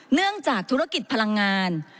เนื่องจากธุรกิจพลังงาน